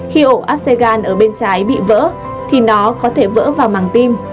khi ổ áp xe gan ở bên trái bị vỡ thì nó có thể vỡ vào màng tim